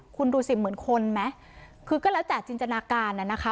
คุณดูสิเหมือนคนไหมคือก็แล้วแต่จินตนาการน่ะนะคะ